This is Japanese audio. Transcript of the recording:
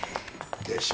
でしょ。